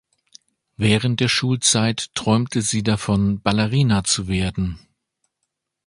Während der Schulzeit träumte sie davon Ballerina zu werden.